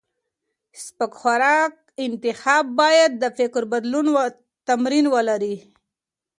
سپک خوراک انتخاب کول باید د فکر تمرین ولري.